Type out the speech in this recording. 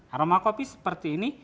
aroma kopi seperti ini